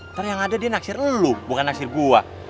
ntar yang ada dia naksir lu bukan naksir gua